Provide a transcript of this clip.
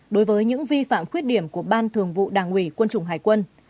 đối với những vi phạm khuyết điểm của ban thường vụ đảng ủy quân chủng hải quân